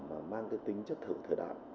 mà mang cái tính chất thử thời đại